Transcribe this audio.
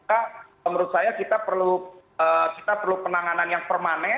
maka menurut saya kita perlu penanganan yang permanen